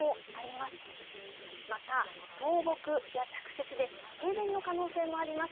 また、倒木や着雪で停電の可能性もあります。